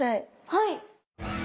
はい。